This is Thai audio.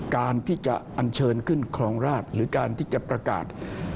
การที่จะอันเชิญขึ้นครองราชหรือการที่จะประกาศ